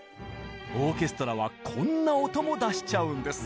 オーケストラはこんな音も出しちゃうんです。